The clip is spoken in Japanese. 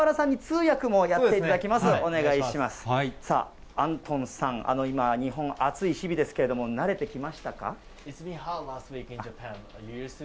さあ、アントンさん、今、日本、暑い日々ですけれども、慣れてきましたか？